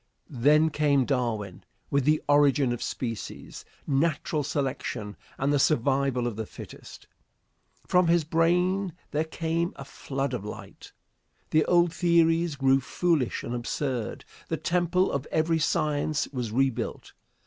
Then came Darwin with the "Origin of Species," "Natural Selection," and the "Survival of the Fittest." From his brain there came a flood of light. The old theories grew foolish and absurd. The temple of every science was rebuilt.